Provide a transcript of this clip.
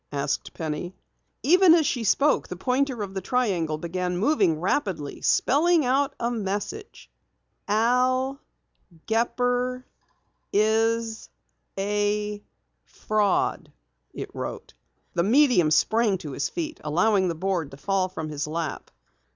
asked Penny. Even as she spoke the pointer of the triangle began moving, rapidly spelling a message. "AL GEPPER IS A FRAUD," it wrote. The medium sprang to his feet, allowing the board to fall from his lap.